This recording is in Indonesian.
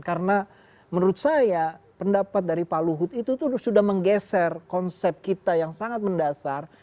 karena menurut saya pendapat dari pak luhut itu tuh sudah menggeser konsep kita yang sangat mendasar